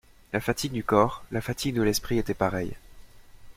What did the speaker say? La fatigue du corps, la fatigue de l'esprit étaient pareilles.